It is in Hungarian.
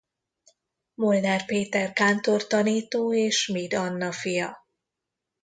Molnár Péter kántortanító és Schmid Anna fia.